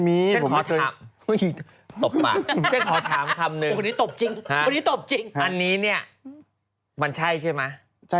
ไม่มีผมพาเทอมตบหมา